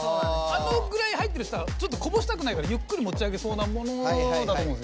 あのぐらい入ってるっていったらちょっとこぼしたくないからゆっくりもち上げそうなものだと思うんですよ。